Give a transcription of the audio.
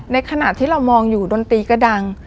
ในขณะที่เรามองอยู่ดนตรีก็ดัง